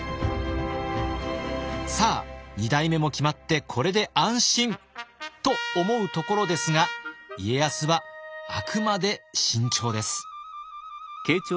さあ二代目も決まって「これで安心！」と思うところですが家康はあくまで慎重です。